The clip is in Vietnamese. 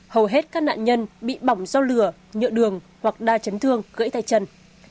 hầu hết các nạn nhân bị bỏng do lửa nhựa đường hoặc đa chấn thương gãy tay chân